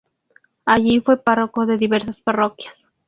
Allí fue párroco de diversas parroquias.